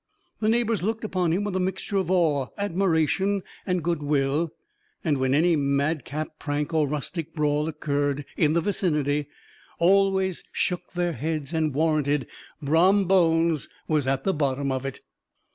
The neighbors looked upon him with a mixture of awe, admiration, and good will; and when any madcap prank or rustic brawl occurred in the vicinity, always shook their heads, and warranted Brom Bones was at the bottom of it.